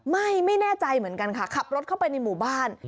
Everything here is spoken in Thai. ไม่แน่ใจเหมือนกันค่ะขับรถเข้าไปในหมู่บ้าน